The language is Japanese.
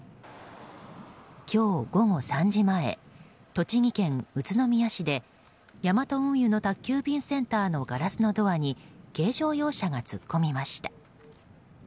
今日午後３時前栃木県宇都宮市でヤマト運輸の宅急便センターのガラスのドアに軽乗用車が突っ込みました。